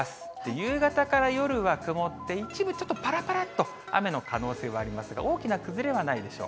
夕方から夜は曇って、一部、ちょっとぱらぱらっと雨の可能性はありますが、大きな崩れはないでしょう。